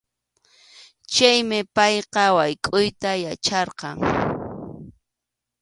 Chaymi payqa waykʼuyta yacharqan.